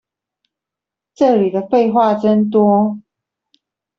這裡的廢話真多